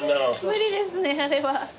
無理ですねあれは。